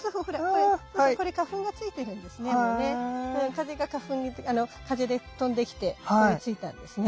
風が花粉に風で飛んできてここについたんですね。